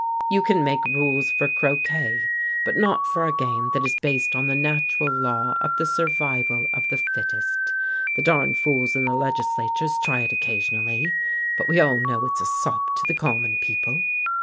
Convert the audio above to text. You can make rules for croquet, but not for a game that is based on the natural law of the survival of the fittest. The darned fools in the legislatures try it occasionally, but we all know it's a sop to the 'common people.'